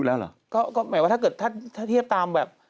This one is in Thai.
ถ้าเทียบตามแบบ